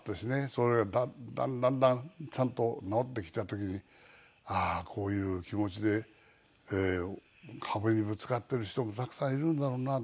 それがだんだんだんだんちゃんと治ってきた時にああこういう気持ちで壁にぶつかってる人もたくさんいるんだろうな。